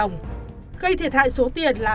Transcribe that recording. gây thiệt hại số tiền là